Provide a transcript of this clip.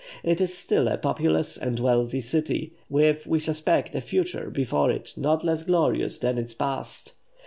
It is still a populous and wealthy city, with, we suspect, a future before it not less glorious than its past.